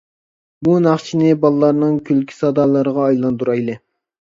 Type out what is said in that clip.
بۇ ناخشىنى بالىلارنىڭ كۈلكە سادالىرىغا ئايلاندۇرايلى.